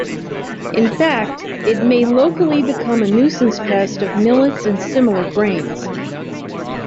In fact, it may locally become a nuisance pest of millets and similar grains.